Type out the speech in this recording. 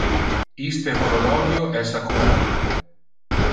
Iste horologio es accurate.